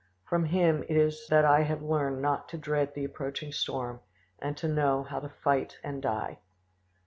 From him it is that I have learned not to dread the approaching storm, and to know how to fight and die."